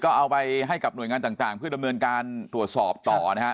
ก็เอาไปให้กับหน่วยงานต่างเพื่อดำเนินการตรวจสอบต่อนะฮะ